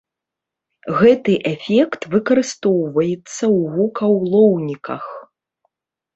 Гэты эфект выкарыстоўваецца ў гукаўлоўніках.